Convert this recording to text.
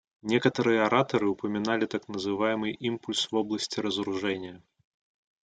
Некоторые ораторы упоминали так называемый импульс в области разоружения.